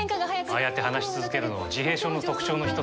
ああやって話し続けるのは自閉症の特徴の１つ。